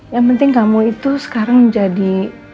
yang penting kamu itu sekarang jadi